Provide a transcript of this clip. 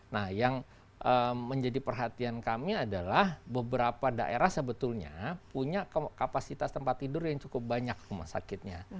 nah yang menjadi perhatian kami adalah beberapa daerah sebetulnya punya kapasitas tempat tidur yang cukup banyak rumah sakitnya